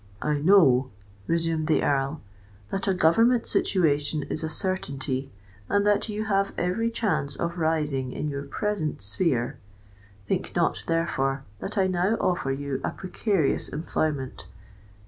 "I know," resumed the Earl, "that a government situation is a certainty, and that you have every chance of rising in your present sphere: think not, therefore, that I now offer you a precarious employment.